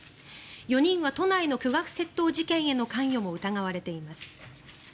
４人は都内の巨額窃盗事件への関与も疑われています。